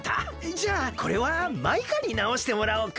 じゃあこれはマイカになおしてもらおうか。